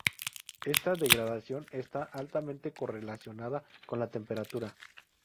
Esta degradación está altamente correlacionada con la temperatura.